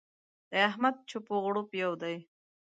د احمد چپ و غړوپ يو دی.